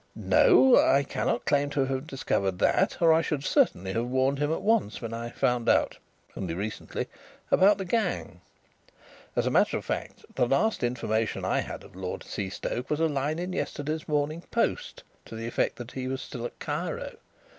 "No, I cannot claim to have discovered that, or I should certainly have warned him at once when I found out only recently about the gang. As a matter of fact, the last information I had of Lord Seastoke was a line in yesterday's Morning Post to the effect that he was still at Cairo.